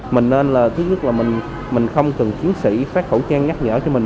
mình nên là thứ nhất là mình không từng chiến sĩ phát khẩu trang nhắc nhở cho mình